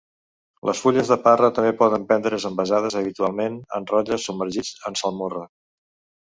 Les fulles de parra també poden vendre's envasades, habitualment en rotlles submergits en salmorra.